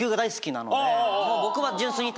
僕は。